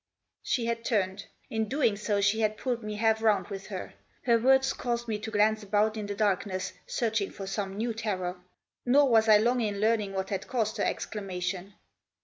She had turned. In doing so she had pulled me half round with her. Her words caused me to glance about in the darkness, searching for some new terror. Nor was I long in learning what had caused her exclamation.